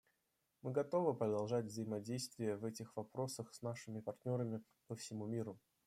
Мы готовы продолжать взаимодействие в этих вопросах с нашими партнерами по всему миру.